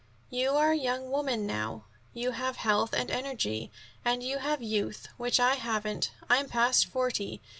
"You are a young woman now. You have health and energy, and you have youth, which I haven't. I'm past forty.